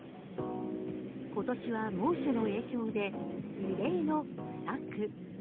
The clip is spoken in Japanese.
今年は猛暑の影響で異例の不作。